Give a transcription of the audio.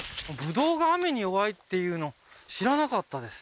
葡萄が雨に弱いっていうの知らなかったです